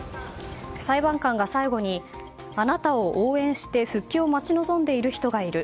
裁判官が最後にあなたを応援して復帰を待ち望んでいる人がいる。